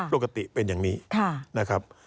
ปกติเป็นอย่างนี้นะครับ